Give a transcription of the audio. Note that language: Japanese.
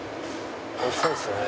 美味しそうですね。